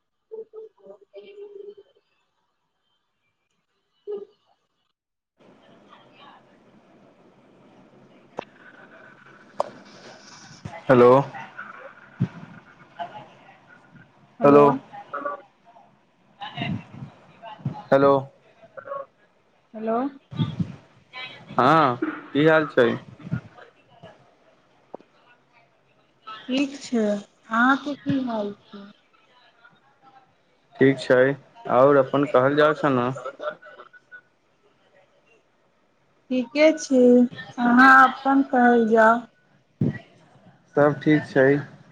[inaudible] hello hello hello hello हँ की हाल छै निक छै अहाँके की हाल छै ठीक छै आओर अपन कहल जाउ छ ने ठीके छै अहाँ अपन कहल जाउ सब ठीक छै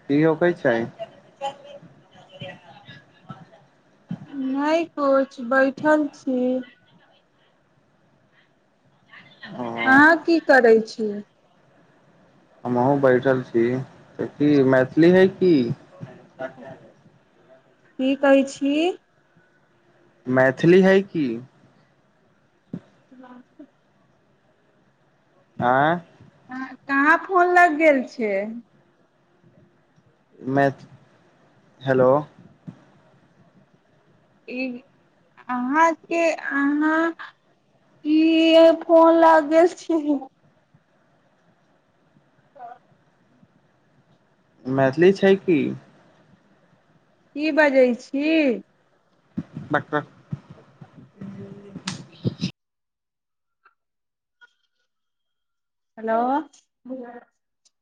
की होक छै नहि किछु बैठल छी ओ अहाँ हमहुँ की करै छी हमहु बैठल छी तऽ की मैथिली है की [inaudible] की कहै छी मैथिली है की [unintelligible] आँय कहाँ फोन लग गेल छियै मैथिली हेलो ई अहाँके अहाँ क फोन लग छी [inaudible] मैथिली छै की की बजै छी डकटर हेलो